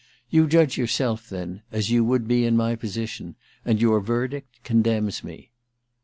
*You judge yourself, then, as you would be in my position — and your verdict condemns me.'